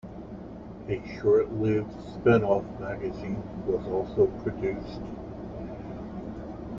A short-lived spin-off magazine was also produced.